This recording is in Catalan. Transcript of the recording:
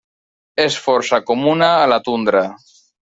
És força comuna a la tundra.